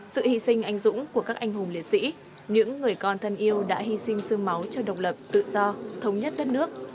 sự hy sinh anh dũng của các anh hùng liệt sĩ những người con thân yêu đã hy sinh sương máu cho độc lập tự do thống nhất đất nước